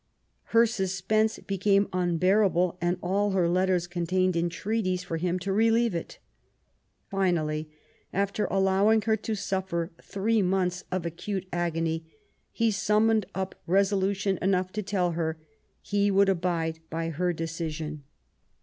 Her suspense became unbearable, and all her letters contained entreaties for him to relieve it. Finally, after allowing her to suffer three months of acute agony, he summoned up resolution enough to write and tell her he would abide by her decision.